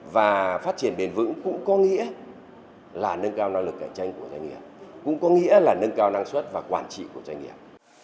và phát triển bền vững cũng có nghĩa là nâng cao năng lực cạnh tranh của doanh nghiệp cũng có nghĩa là nâng cao năng suất và quản trị của doanh nghiệp